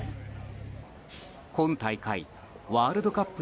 今大会ワールドカップ